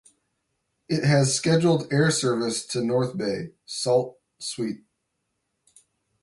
It has scheduled air service to North Bay, Sault Ste.